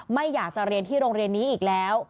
ไม่อยากจะเรียนที่โรงเรียนนี้อีกแล้ว